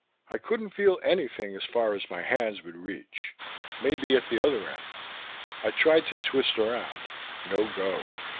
I couldn't feel anything as far as my hands would reach. Maybe at the other end.... I tried to twist around: no go.